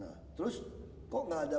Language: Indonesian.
nah terus kok nggak ada